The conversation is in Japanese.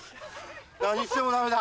何してもダメだ。